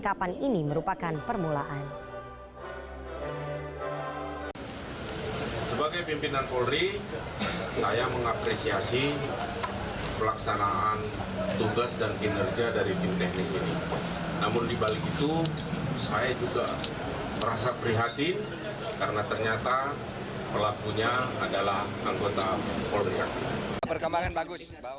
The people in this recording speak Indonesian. karena ternyata pelakunya adalah anggota polri